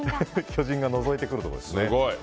巨人がのぞいてくるところですね。